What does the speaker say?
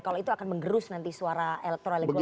kalau itu akan mengerus nanti suara elektor oleh golkar